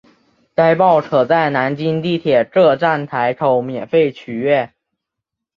该报可在南京地铁各站台口免费取阅。